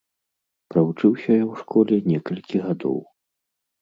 Правучыўся я ў школе некалькі гадоў.